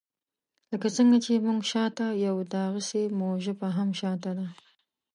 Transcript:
لکه څنګه چې موږ شاته یو داغسي مو ژبه هم شاته ده.